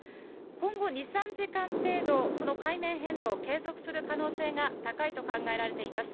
今後２、３時間程度、その海面変動、継続する可能性が高いと考えられています。